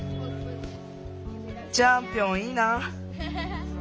チャンピオンいいな！